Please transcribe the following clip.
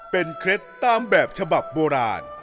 เป็นเคล็ดตามแบบฉบับโบราณ